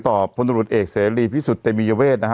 ต่อพลลุศเอกเสรีพิสุทธิ์เตมีเยาเวช